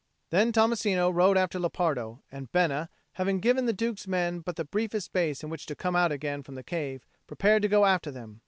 Then Tommasino rode after Lepardo; and Bena, having given the Duke's men but the briefest space in which to come out again from the cave, prepared to go after them.